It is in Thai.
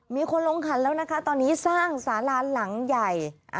มีคนลงขันแล้วนะคะตอนนี้สร้างสาราหลังใหญ่